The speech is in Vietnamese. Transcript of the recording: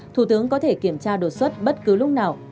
thủ tướng có thể kiểm tra đột xuất bất cứ lúc nào